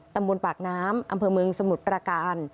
ตำบลปากน้ำอำเภอเมืองสมุทรประการ